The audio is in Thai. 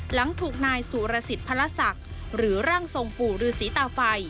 หลังถูกนายสุรสิตภรรษักษ์หรือร่างทรงปู่รือศรีตาไฟ